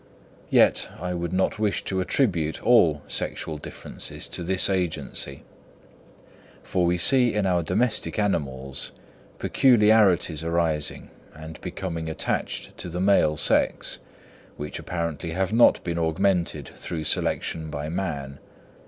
Yet, I would not wish to attribute all sexual differences to this agency: for we see in our domestic animals peculiarities arising and becoming attached to the male sex, which apparently have not been augmented through selection by man.